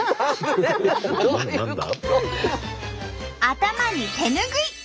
頭に手拭い！